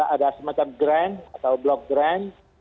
ada semacam grant atau blok grant